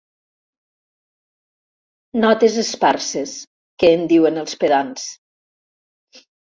Notes esparses, que en diuen els pedants.